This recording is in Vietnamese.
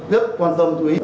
rất quan tâm chú ý